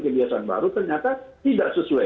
kebiasaan baru ternyata tidak sesuai